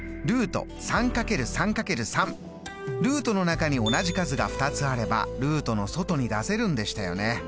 ルートの中に同じ数が２つあればルートの外に出せるんでしたよね。